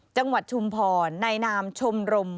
จังหวัดชุมพรในนามชมรม